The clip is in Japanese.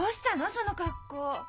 その格好。